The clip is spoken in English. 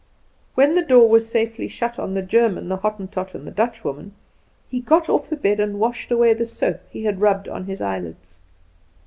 When the door was safely shut on the German, the Hottentot, and the Dutchwoman, he got off the bed and washed away the soap he had rubbed on his eyelids.